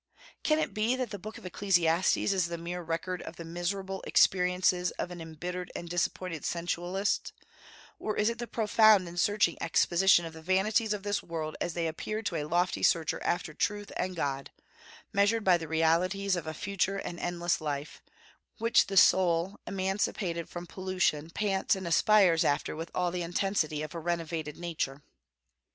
Can it be that the book of Ecclesiastes is the mere record of the miserable experiences of an embittered and disappointed sensualist, or is it the profound and searching exposition of the vanities of this world as they appear to a lofty searcher after truth and God, measured by the realities of a future and endless life, which the soul emancipated from pollution pants and aspires after with all the intensity of a renovated nature?